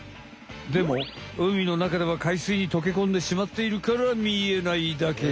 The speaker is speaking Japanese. でも海の中では海水に溶けこんでしまっているから見えないだけ。